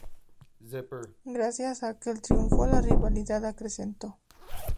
Gracias a aquel triunfo la rivalidad acrecentó.